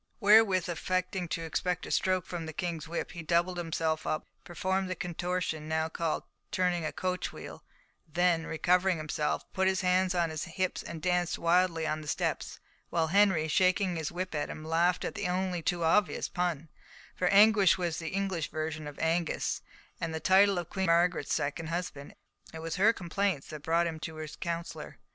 Wherewith, affecting to expect a stroke from the King's whip, he doubled himself up, performed the contortion now called turning a coachwheel, then, recovering himself, put his hands on his hips and danced wildly on the steps; while Henry, shaking his whip at him, laughed at the only too obvious pun, for Anguish was the English version of Angus, the title of Queen Margaret's second husband, and it was her complaints that had brought him to his counsellor.